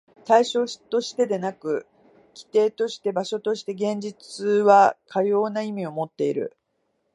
対象としてでなく、基底として、場所として、現実はかような意味をもっている。